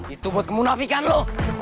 itu buat kemunafikan lo